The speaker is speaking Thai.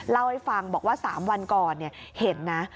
เล่าให้ฟังบอกว่า๓วันก่อนเห็นนะ